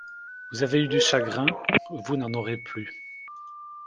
Vous avez eu du chagrin, vous n’en aurez plus.